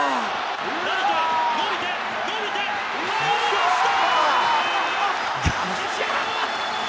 ライトへ、伸びて、伸びて、入りました！